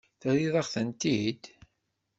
Terriḍ-aɣ-tent-id?